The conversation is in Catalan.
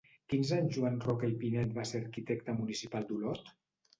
Quins anys Joan Roca i Pinet va ser arquitecte municipal d'Olot?